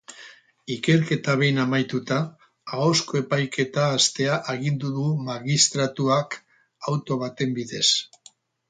Ikerketa behin amaituta, ahozko epaiketa hastea agindu du magistratuak auto baten bidez.